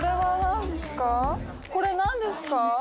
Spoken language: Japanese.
これ何ですか？